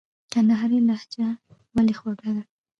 کندهارۍ لهجه ولي خوږه ده ؟